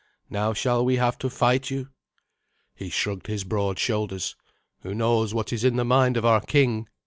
Now, shall we have to fight you?" He shrugged his broad shoulders. "Who knows what is in the mind of our king?